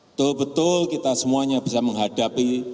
betul betul kita semuanya bisa menghadapi